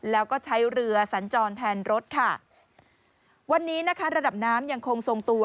แล้วก็ใช้เรือสัญจรแทนรถค่ะวันนี้นะคะระดับน้ำยังคงทรงตัว